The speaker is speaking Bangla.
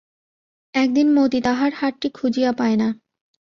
একদিন মতি তাহার হারটি খুঁজিয়া পায় না।